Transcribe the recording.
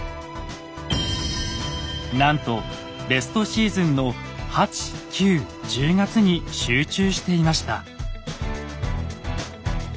なんとベストシーズンの８９１０月に集中していました。